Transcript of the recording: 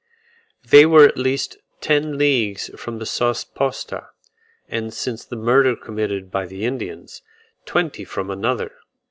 They were at least ten leagues from the Sauce posta, and since the murder committed by the Indians, twenty from another.